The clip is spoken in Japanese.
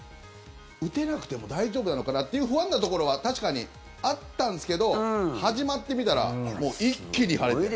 打てなくても大丈夫なのかな？っていう不安なところは確かにあったんですけど始まってみたらもう一気に晴れて。